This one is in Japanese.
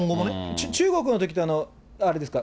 中国のときって、あれですか。